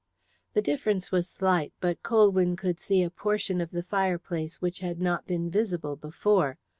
The difference was slight, but Colwyn could see a portion of the fireplace which had not been visible before.